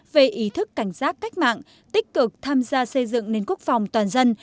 về ý thức cảnh giác cách mạng tích cực tham gia xây dựng nền quốc phòng toàn dân